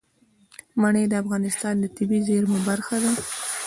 منی د افغانستان د طبیعي زیرمو برخه ده.